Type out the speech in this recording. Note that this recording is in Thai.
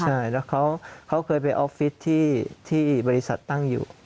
ใช่แล้วเขาเคยไปออฟฟิศที่บริษัทตั้งอยู่